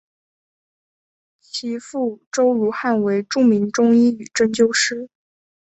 其父周汝汉为著名中医与针灸师。